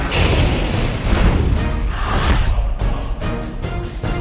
sampai jumpa lagi sound federal